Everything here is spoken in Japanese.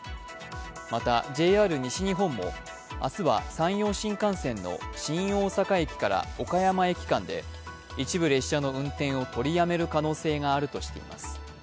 また、ＪＲ西日本も明日は山陽新幹線の新大阪駅−岡山駅間で、一部列車の運転を取りやめる可能性があるとしています。